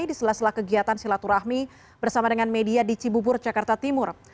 di sela sela kegiatan silaturahmi bersama dengan media di cibubur jakarta timur